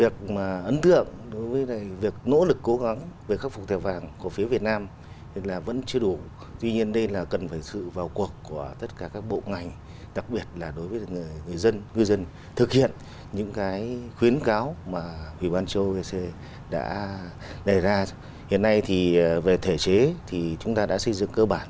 khuyến cáo mà huy ban châu đã đề ra hiện nay thì về thể chế thì chúng ta đã xây dựng cơ bản